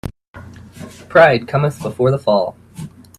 Pride cometh before a fall.